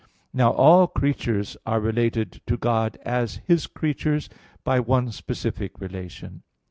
Now, all creatures are related to God as His creatures by one specific relation.